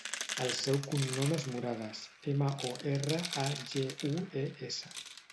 El seu cognom és Moragues: ema, o, erra, a, ge, u, e, essa.